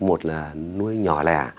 một là nuôi nhỏ lẻ